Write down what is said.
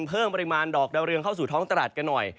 เพิ่มปริมาณดอกดาวเรืองเข้าสู่ท้องตลาดกันหน่อย